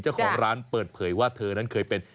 เจ้าของร้านเปิดเผยว่าเธอนั้นเคยเป็น